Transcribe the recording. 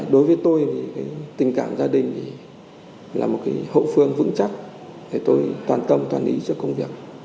đối với tôi thì tình cảm gia đình là một hậu phương vững chắc để tôi toàn tâm toàn ý cho công việc